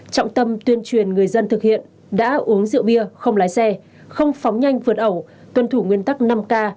trọng tâm tuyên truyền người dân thực hiện đã uống rượu bia không lái xe không phóng nhanh vượt ẩu tuân thủ nguyên tắc năm k